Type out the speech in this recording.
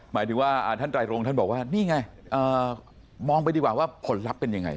หมายถึงว่าท่านไตรโรงท่านบอกว่านี่ไงมองไปดีกว่าว่าผลลัพธ์เป็นยังไง